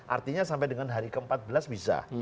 artinya sampai dengan hari ke empat belas bisa